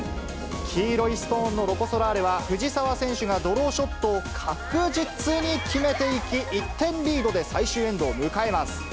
黄色いストーンのロコ・ソラーレは、藤澤選手がドローショットを確実に決めていき、１点リードで最終エンドを迎えます。